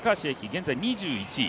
現在２１位。